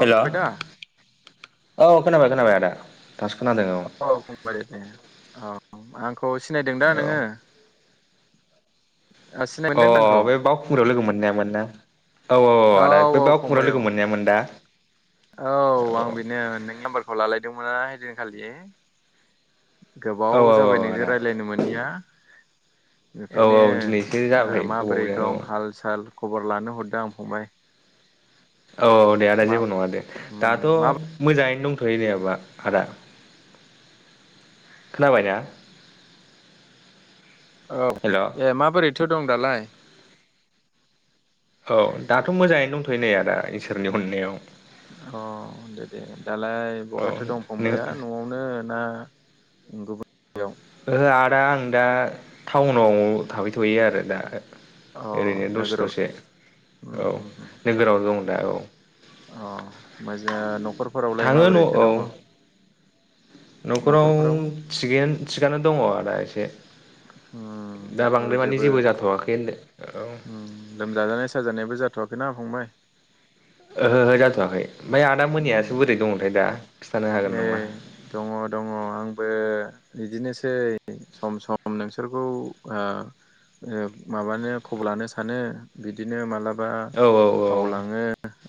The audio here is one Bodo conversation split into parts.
अ हेल' औ फंबाय दा खोनाबाय खोनाबाय आदा दासो खोनादों अ औ [unintelligible] अ आं औ सिनायदों दा नोङो औ ओ सिनाय अ मोनदों दा आंखौ बे बावखुंग्रियाव लोगो मोन मोननाय मोन ना औ औ आदा बे औ बाव खुंगाव फंबाय औ लोगो मोननायामोन दा औ आं बेनो नों नाम्बारखौ लालायदोंमोन खालि औ गोबाव जाबाय औ नोंजों आदा राय्लायनो मोननिया औ बेखायनो दिनैसो जाबाय माबोरै गोबावजों दं हाल साल। खबर लानो हरदों आं फंबाय। औ दे आदा मा जेबो नङा दे उम दाथ' मा मोजाङैनो दंथ'। थै दैयाबा आदा खोनाबायना? औ हेल' ए माबोरै फथो दं दालाय औ दाथ' मोजाङैनो दंथ'यो नै आदा इसोरनि अननायाव अ दे दे दालाय औ बहाथो दं नों फंबाया न'आवनो ना नंगौयाव ओ आदा आं दा टाउनाव थाबफैथ'यो आरो दा ओरैनो अ दसे नोगोराव दसे औ उम उम उम नोगोराव दं दा औ अ ओ जो न'खरफोरावलाय माबोरैथो दङ। न'खरफोराव न'खराविग थिखानो दङ आदा एसे दा बांद्राय मानि जेबो जाथ'वाखै होनदो औ ओहो लोमजाजानाय साजानायबो जाथ'वाखैना फंबाय ओहो जाथ'खाय ओमफ्राय आदा मोनयाासो उम बोरै दंथाय दा? खिन्थानो हागोन नै नामा दङ दङ आंबो। बिदिनोसै सम सम नोंसोरखौ ओ-ओ माबानो खबर लानो सानो बिदिनो मालाब बा औ औ बावलाङो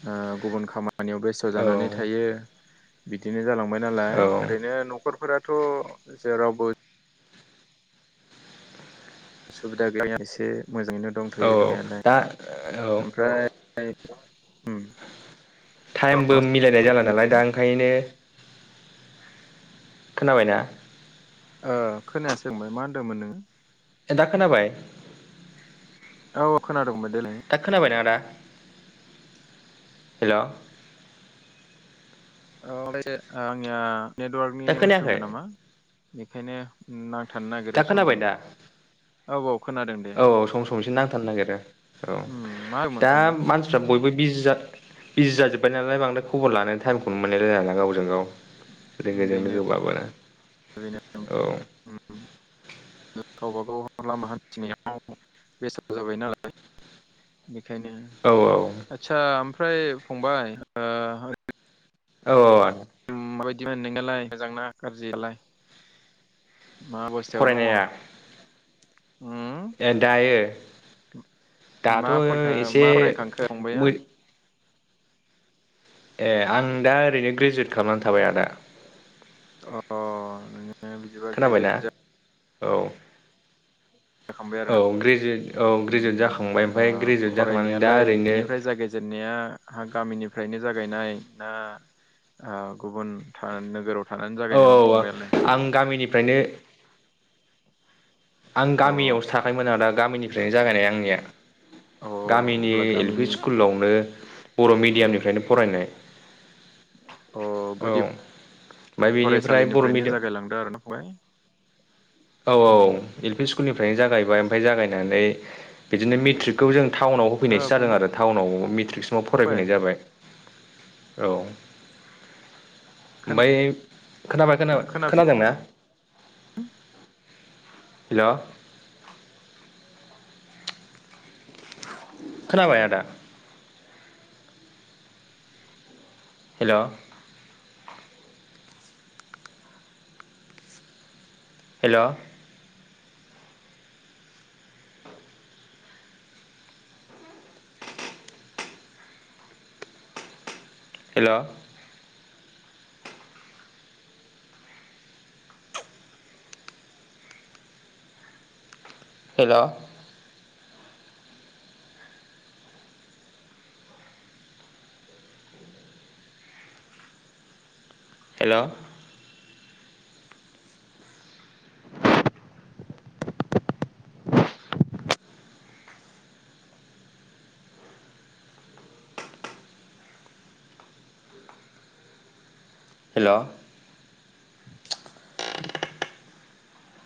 ओ गुबुन खामानि खा खामानियाव बेस्थ' औ जानानै थायो। बिदिनो जालांबाय औ नालाय ओरैनो न'खरफोरा थ' जेरावबो उसुबिदा गैया एसे। मोजाङैनो औ दंथ'यो दंनायालाय दा औ ओमफ्राय [unintelligible] टाइमबो मिलायनाय जाला नालाय दा ओंखायनो। खोनाबायना? ओ खोनाया सोंमोन मा होनदोंमोन नोङो? ए दा खोनाबाय? औ अ खोनादोंमोन। दा खोनाबाय न आदा। हेल'। अ [unintelligible] आंनिया। नेटवार्कनि दा उ खोनायाखै सुबुबिदा नामा। बेखायनो उम थांनो नागिरो समथाम। औ-औ। औ-औ सम-सम एसे नां थानो नागिरो। औ उम मा होनोमोन दा फंबाय मानसिफ्रा बयबो बिजि बिजि जाजोब्बाय नालाय बांद्राय खबर लानाय टाइमखौनो मोनलायलाय नालाय गावजों गाव। लोगोजों बेनो लोगो माबाना बेनो औ। गावबा गाव लामा हान्थिनायाव बेसाद जाबाय नालाय बे खायनो औ आदसा फ्राय फंबाय ओ औ-औ माबायदि मोन नोंनालाय मोजांना गाज्रिालाय। मा अबस्थायाव दङ। ए दायो मा दाथ' फरायखा एसे मा फरायखांखो फंबाया? मै ए आं दा ओरैनो ग्रेजुवेट खालामनानै थाबाय आदा। अ-अ। [unintelligible] बिदिबा ग्रेजुयट खोनाबायना जा औ। दखांबाय आरो औ ग्रेजुवेट औ ग्रेजुवेट जाखांबाय ओ ओमफ्राय ग्रेजुवेट जाखांनानै दा फरायनायालाय ओरैनो बेनिफ्राय जागायजेननाया हागामिनि फ्रायनो जागायनाय ना गुबुन नोगोराव थानानै औ जागायनायमोन औ फंबायालाय आं गामिनिफ्रायनो आं अ गामियावसो थाखायमोन आदा गामिनि ओरनो जागायनाय आंनिया अ गामिनि अब्ला एल पि गामिनि स्कुलावनो बर' उम मिडियामनिफ्रायनो फरायनाय अ औ गुदि ओमफ्राय बेनिफ्राय बर' फरायसालिनिफ्रायनो मिडियाम जागायलांदो आर ना फबाय औ औ एल पि स्कुलनि निफ्रायनो जागायबाय ओमफ्राय जागायनानै बिदिनो दे दे मेट्रिकखौ जों टाउनाव ओ होफैनायसो जादों फंबाय आरो टाउनाव मेट्रिक नाव फरायफैनाय जाबाय। औ। खोना ओमफ्राय खोनाबाय खोना खोनादोंना? हेल' खोनाबाय आदा? हेल'। हेल'। हेल'। हेल'। हेल'। हेल'।